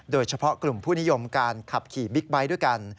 โดยเฉพาะกลุ่มผู้นิยมการขับขี่บิ๊กไบท์ด้วยกัน